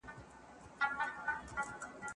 حیات الله د خپل تېر عمر په حساب او کتاب کې غرق و.